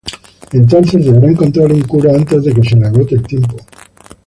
Entonces deberá encontrar una cura antes de que se le agote el tiempo.